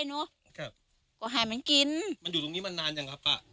ครับก็ให้มันกินมันอยู่ตรงนี้มันนานจังครับ